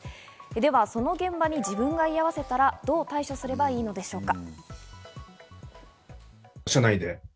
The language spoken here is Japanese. ではその現場に自分が居合わせたらどう対処すればいいのでしょうか。